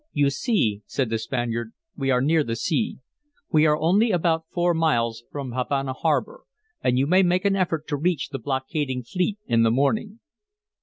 "You see," said the Spaniard, "we are near the sea. We are only about four miles from Havana harbor, and you may make an effort to reach the blockading fleet in the morning."